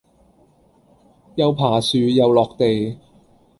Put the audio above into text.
又爬樹又落地